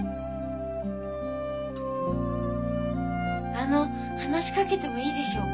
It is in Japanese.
あの話しかけてもいいでしょうか。